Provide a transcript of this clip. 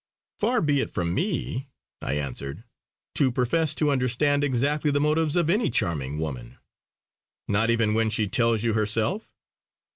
"Far be it from me" I answered "to profess to understand exactly the motives of any charming woman." "Not even when she tells you herself?"